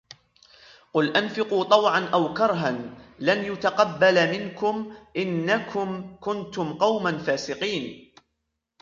قل أنفقوا طوعا أو كرها لن يتقبل منكم إنكم كنتم قوما فاسقين